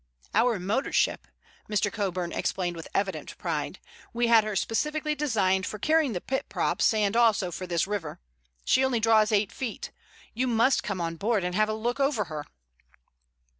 "Our motor ship," Mr. Coburn explained with evident pride. "We had her specially designed for carrying the pit props, and also for this river. She only draws eight feet. You must come on board and have a look over her."